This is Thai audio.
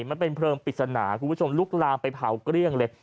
มันเป็นเพลิงปริศนาคุณผู้ชมลุกลามไปเผาเกลี้ยงเลย